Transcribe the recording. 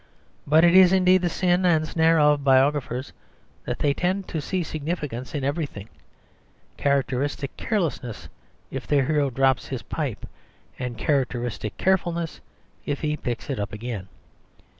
But it is, indeed, the sin and snare of biographers that they tend to see significance in everything; characteristic carelessness if their hero drops his pipe, and characteristic carefulness if he picks it up again.